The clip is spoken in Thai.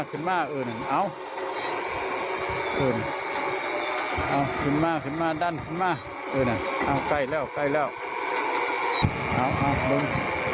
เอาเอาลง